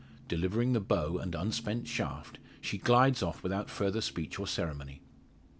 Delivering the bow and unspent shaft, she glides off without further speech or ceremony.